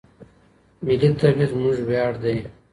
ملي توليد زموږ وياړ دی.